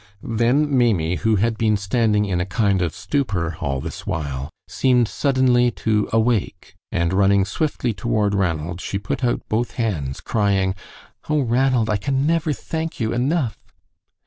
Then Maimie, who had been standing in a kind of stupor all this while, seemed suddenly to awake, and running swiftly toward Ranald, she put out both hands, crying: "Oh, Ranald, I can never thank you enough!"